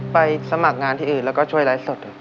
สมัครงานที่อื่นแล้วก็ช่วยไลฟ์สด